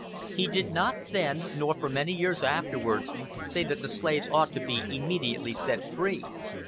He did not then, nor for many years afterward, say that the slaves ought to be immediately set free.